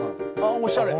あおしゃれ！